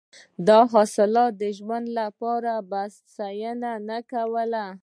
دا حاصلات د ژوند لپاره بسنه نه کوله.